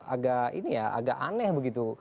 agak ini ya agak aneh begitu